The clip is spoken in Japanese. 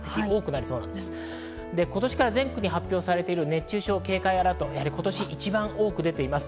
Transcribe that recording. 今年から全国で発表されている熱中症警戒アラート、今年一番多く出ています。